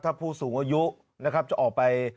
ถ้าผู้สูงอายุนะครับจะออกไป